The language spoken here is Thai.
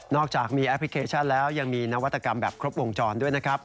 อกจากมีแอปพลิเคชันแล้วยังมีนวัตกรรมแบบครบวงจรด้วยนะครับ